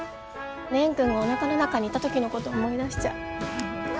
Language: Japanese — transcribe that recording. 蓮くんがおなかの中にいた時のこと思い出しちゃう。